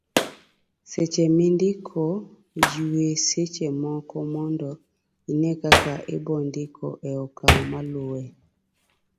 seche mindiko, ywe seche moko mondo ine kaka ibondiko e okang' maluwe